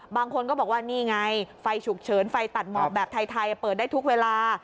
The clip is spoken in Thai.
บางคนก็บอกว่านี่ไงไฟฉุกเฉินไฟตัดหมอกแบบไทยเปิดได้ทุกเวลา